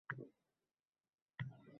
Termiz nafaqat avliyolar va polvonlar yurti